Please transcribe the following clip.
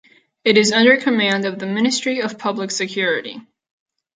It is under command of the Ministry of Public Security.